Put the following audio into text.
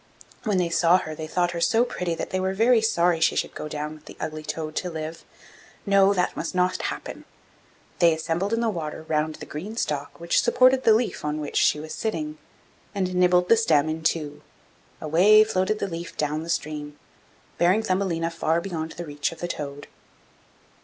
When they saw her, they thought her so pretty that they were very sorry she should go down with the ugly toad to live. No; that must not happen. They assembled in the water round the green stalk which supported the leaf on which she was sitting, and nibbled the stem in two. Away floated the leaf down the stream, bearing Thumbelina far beyond the reach of the toad.